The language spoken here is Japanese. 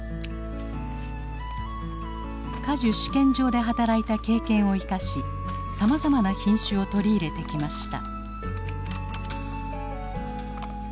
果樹試験場で働いた経験を生かしさまざまな品種を取り入れてきました。